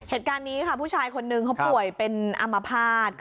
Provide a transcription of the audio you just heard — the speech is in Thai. เหตุการณ์นี้ค่ะผู้ชายคนนึงเขาป่วยเป็นอามภาษณ์